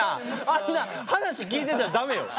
あんな話聞いてたらダメよ。